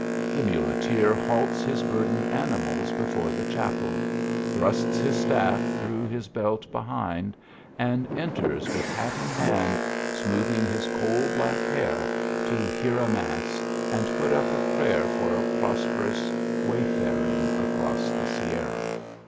The muleteer halts his burdened animals before the chapel, thrusts his staff through his belt behind, and enters with hat in hand, smoothing his coal black hair, to hear a mass and put up a prayer for a pros perous wayfaring across the Sierra.